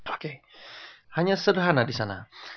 oke hanya sederhana di sana